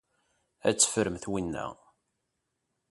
Ad teffremt winna.